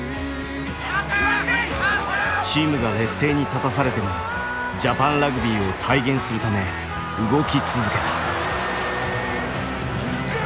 チームが劣勢に立たされてもジャパンラグビーを体現するため動き続けた。